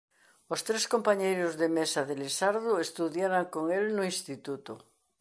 Os tres compañeiros de mesa de Lisardo estudiaran con el no instituto.